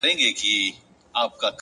عاجزي د سترتوب نرم لباس دی’